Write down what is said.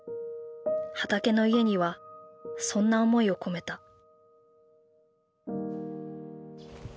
はたけのいえにはそんな思いを込めた。